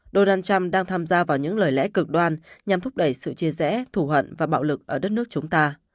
donald trump đang tham gia vào những lời lẽ cực đoan nhằm thúc đẩy sự chia rẽ thù hận và bạo lực ở đất nước chúng ta